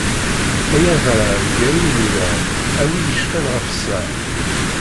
Ay adrar gar idurar, a wi yeccfan ɣef sser.